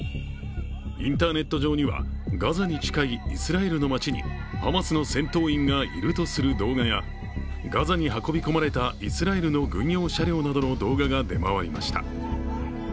インターネット上には、ガザに近いイスラエルの街にハマスの戦闘員がいるという動画やガザに運び込まれたイスラエルの軍用車両などの動画が出回りました。